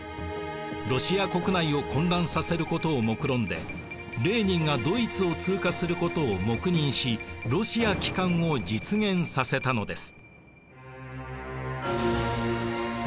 ロシア国内を混乱させることをもくろんでレーニンがドイツを通過することを黙認しロシア帰還を実現させたのです。